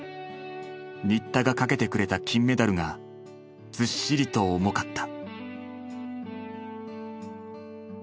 新田がかけてくれた金メダルがずっしりと重かった。